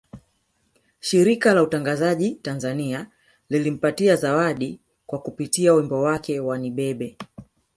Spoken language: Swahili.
Shirika la Utangazaji Tanzania lilimpatia zawadi kwa kupitia wimbo wake wa Nibebe